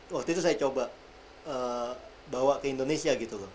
waktu itu saya coba bawa ke indonesia gitu loh